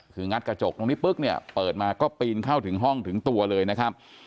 คืองัดกระจกตรงนี้ปุ๊บเนี่ยเปิดมาก็ปีนเข้าถึงห้องถึงตัวเลยนะครับ